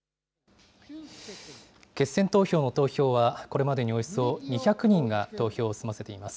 決選投票の投票は、これまでにおよそ２００人が投票を済ませています。